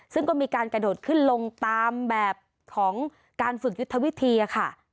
ซึ่งก็มีการกระโดดขึ้นลงตามแบบของการฝึกยุทธวิธีค่ะ